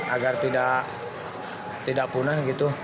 agar tidak punan gitu